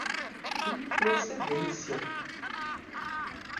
improcedência